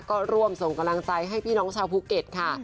ก็ร่วมส่งกำลังใจให้พี่น้องชาวภูเก็ตค่ะ